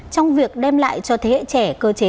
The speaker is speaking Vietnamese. trong việc đem lại cho thế hệ trẻ cơ chế